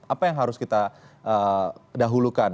apa yang harus kita dahulukan